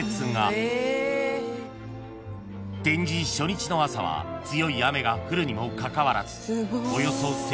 ［展示初日の朝は強い雨が降るにもかかわらずおよそ］